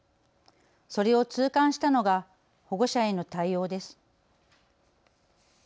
それを痛感したのが保護者への対応です。